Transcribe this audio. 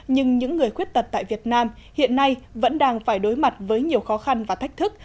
nhưng những người khuyết tật tại việt nam hiện nay vẫn đang phải đối mặt với nhiều khó khăn và thách thức